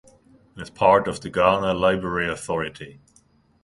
It is part of the Ghana Library Authority.